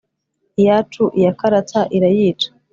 iyacu, iya karatsa, irayica.